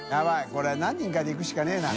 これ何人かで行くしかないな。